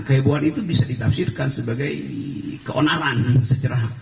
kehebohan itu bisa ditafsirkan sebagai keonaran secara